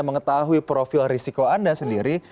mengetahui profil risiko anda sendiri